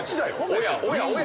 「おやおやおや。